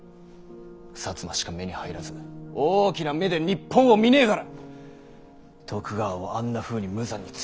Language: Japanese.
摩しか目に入らず大きな目で日本を見ねぇから徳川をあんなふうに無残に潰したんだ！